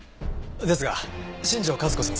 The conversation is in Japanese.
ですが新庄和子さん